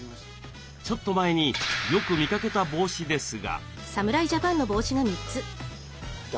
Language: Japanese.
ちょっと前によく見かけた帽子ですが。